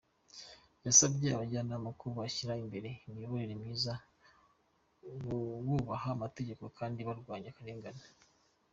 Yasabye abajyanama ko bashyira imbere imiyoborere myiza bubaha amategeko kandi barwanya akarengane.